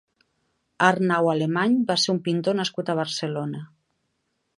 Arnau Alemany va ser un pintor nascut a Barcelona.